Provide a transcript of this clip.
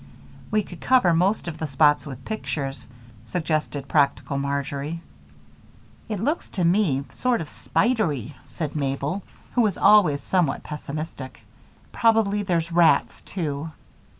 "We could cover most of the spots with pictures," suggested practical Marjory. "It looks to me sort of spidery," said Mabel, who was always somewhat pessimistic. "Probably there's rats, too."